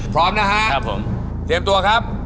พร้อมนะฮะเตรียมตัวครับ